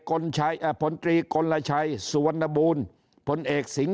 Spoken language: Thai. กลชัยเอ่พลตรีกลลชัยสวนบูลพลเอกสิ๋ง